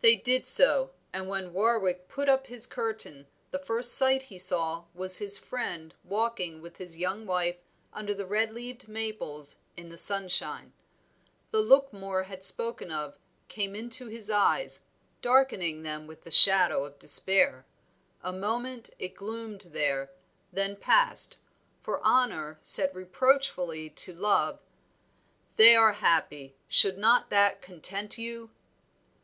They did so, and when Warwick put up his curtain, the first sight he saw, was his friend walking with his young wife under the red leaved maples, in the sunshine. The look Moor had spoken of, came into his eyes, darkening them with the shadow of despair. A moment it gloomed there, then passed, for Honor said reproachfully to Love "They are happy, should not that content you?"